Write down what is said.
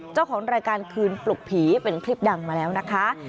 เจ้าของรายการคืนปลุกผีเป็นคลิปดังมาแล้วนะคะ